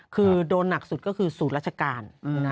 คือโดนหนักสุดก็คือศูนย์ราชการ